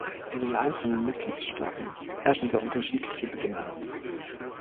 In den einzelnen Mitgliedstaaten herrschen sehr unterschiedliche Bedingungen.